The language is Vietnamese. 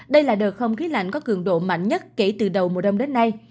đây là đợt không khí lạnh có cường độ mạnh nhất kể từ đầu mùa đông đến nay